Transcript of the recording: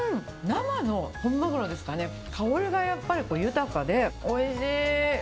生の本マグロですかね、香りがやっぱり豊かでおいしい。